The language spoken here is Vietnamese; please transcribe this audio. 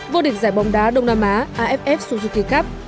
vô địch giải bóng đá đông nam á aff suzuki cup